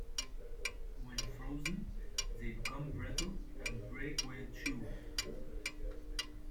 When frozen, they become brittle and break when chewed.